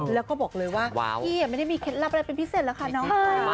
แล้วก็บอกเลยว่าาะมันไม่ได้มีเคล็ดลับอะไรเป็นพิเศษร็คาน้อย